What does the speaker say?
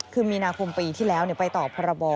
คือมีนาคมปีที่แล้วไปต่อพรบ